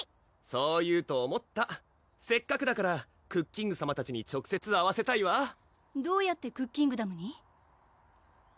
そう言うと思ったせっかくだからクッキングさまたちに直接会わせたいわどうやってクッキングダムに？